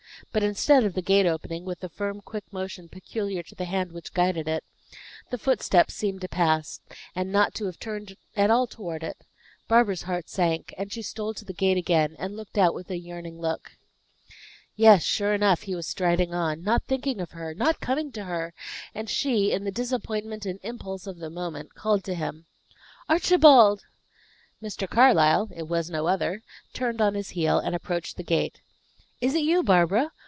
But instead of the gate opening, with the firm quick motion peculiar to the hand which guided it, the footsteps seemed to pass, and not to have turned at all toward it. Barbara's heart sank, and she stole to the gate again, and looked out with a yearning look. Yes, sure enough he was striding on, not thinking of her, not coming to her; and she, in the disappointment and impulse of the moment, called to him, "Archibald!" Mr. Carlyle it was no other turned on his heel, and approached the gate. "Is it you, Barbara!